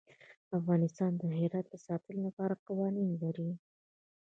افغانستان د هرات د ساتنې لپاره قوانین لري.